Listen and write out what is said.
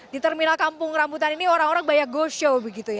di terminal kampung rambutan ini orang orang banyak go show